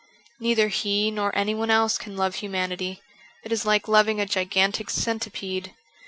Neither He nor anyone else can love humanity ; it is like loving a gigantic centipede.